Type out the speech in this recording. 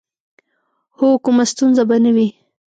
هو، کومه ستونزه به نه وي.